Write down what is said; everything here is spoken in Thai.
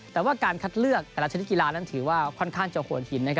แต่การคัดเลือกแต่ละชนิดกีฬาถือว่าค่อนข้างเจาะหวนหิน